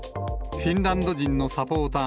フィンランド人のサポーター